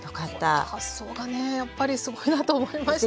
この発想がねやっぱりすごいなと思いましたよ。